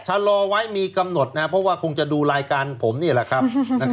ชะลอไว้มีกำหนดนะครับเพราะว่าคงจะดูรายการผมนี่แหละครับ